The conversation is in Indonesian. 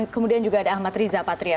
kemudian juga ada ahmad riza patria